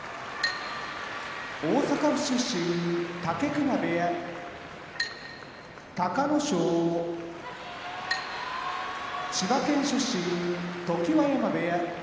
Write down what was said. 大阪府出身武隈部屋隆の勝千葉県出身常盤山部屋